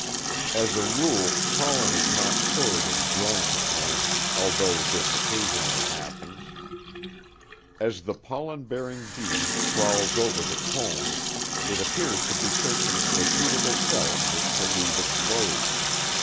As a rule pollen is not stored in drone comb, although this occasionally happens. As the pollen bearing bee crawls over the combs it appears to be searching for a suitable cell in which to leave its load.